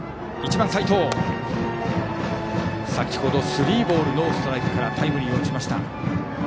１番、齋藤は先ほどスリーボールノーストライクからタイムリーを打ちました。